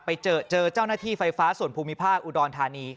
ไปเจอเจอเจ้าหน้าที่ไฟฟ้าส่วนภูมิภาคอุดรธานี